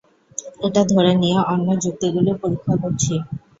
এটা ধরে নিয়ে অন্য যুক্তিগুলি পরীক্ষা করছি।